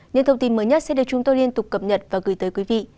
những thông tin mới nhất sẽ được chúng tôi liên tục cập nhật và gửi tới quý vị